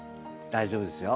大丈夫ですよ。